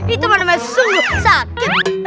itu mana sungguh sakit